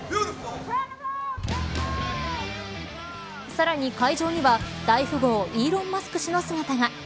さらに会場には大富豪イーロン・マスク氏の姿が。